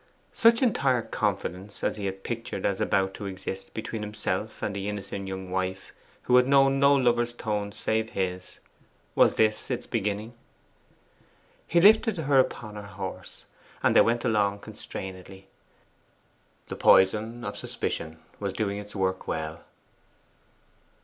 Such entire confidence as he had pictured as about to exist between himself and the innocent young wife who had known no lover's tones save his was this its beginning? He lifted her upon the horse, and they went along constrainedly. The poison of suspicion was doing its work well.